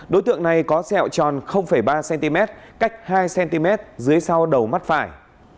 đối tượng này có sẹo tròn ba cm cách hai cm dưới sau đầu mắt phải